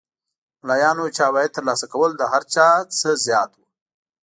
ملایانو چې عواید تر لاسه کول د هر چا نه زیات وو.